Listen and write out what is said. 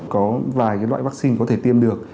có vài cái loại vaccine có thể tiêm được